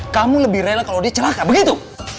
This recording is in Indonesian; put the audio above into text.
kamu lebih rela kalau dia celaka begitu